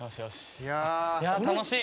いや楽しい。